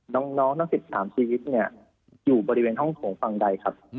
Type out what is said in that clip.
น้องทั้ง๑๓ชีวิตเนี่ยอยู่บริเวณห้องโถงฝั่งใดครับ